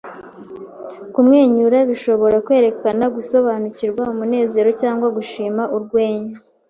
Kumwenyura birashobora kwerekana gusobanukirwa, umunezero, cyangwa gushima urwenya.